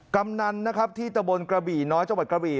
กำนันนะครับที่ตะบนกระบี่น้อยจังหวัดกระบี่